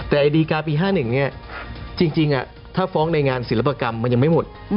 แต่ดีการ์ปี๕๑จริงถ้าฟ้องในงานศิลปกรรมมันยังไม่หมด